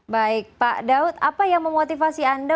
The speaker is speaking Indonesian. baik pak daud apa yang memotivasi anda